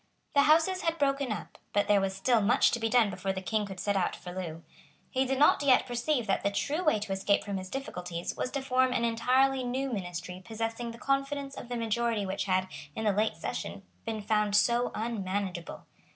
The Houses had broken up; but there was still much to be done before the King could set out for Loo. He did not yet perceive that the true way to escape from his difficulties was to form an entirely new ministry possessing the confidence of the majority which had, in the late session, been found so unmanageable.